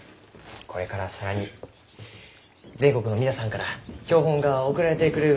これから更に全国の皆さんから標本が送られてくるがですよね？